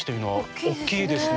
大きいですね。